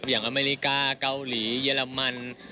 อเมริกาเกาหลีเยอรมัน